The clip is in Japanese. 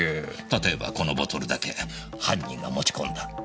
例えばこのボトルだけ犯人が持ち込んだ。